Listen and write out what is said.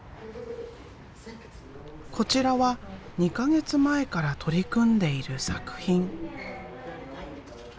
こちらは２か月前から取り組んでいる作品。